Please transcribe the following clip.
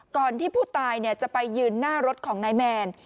ก่อนที่ผู้ตายเนี่ยจะไปยืนหน้ารถของในแมน